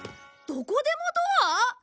どこでもドア？